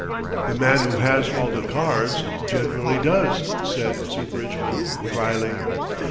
"The man who has all the cards generally does," said Sir Bridgman drily.